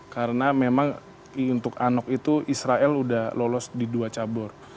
karena memang untuk anok itu israel sudah lolos di dua cabur